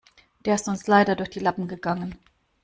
Der ist uns leider durch die Lappen gegangen.